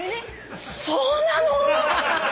「そうなの！？」